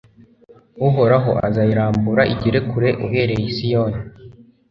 Uhoraho azayirambura igere kure uhereye i Siyoni